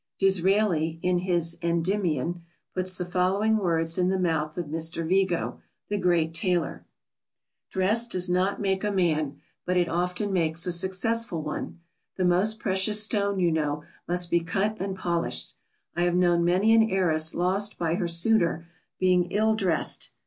Disraeli, in his "Endymion," puts the following words in the mouth of Mr. Vigo, the great tailor: [Sidenote: "Dress does not make a man."] "Dress does not make a man, but it often makes a successful one. The most precious stone, you know, must be cut and polished. I have known many an heiress lost by her suitor being ill dressed.